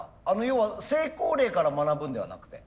要は成功例から学ぶんではなくて。